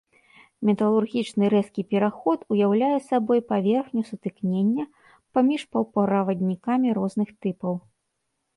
Металургічны рэзкі пераход уяўляе сабой паверхню сутыкнення паміж паўправаднікамі розных тыпаў.